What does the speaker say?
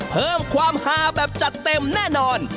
เพิ่มความฮาแบบจัดเต็มแน่นอน